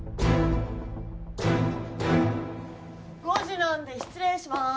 ５時なんで失礼しまーす。